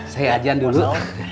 saya ajarin dulu